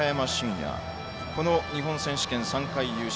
野は日本選手権３回優勝